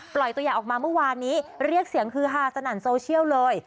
ปล่อยตัวอย่างออกมาเมื่อวานนี้เรียกเสียงฮือฮาสนั่นโซเชียลเลย